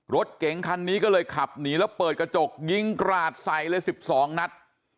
รถเก๋งคันนี้ก็เลยขับหนีแล้วเปิดกระจกยิงกราดใส่เลย๑๒นัด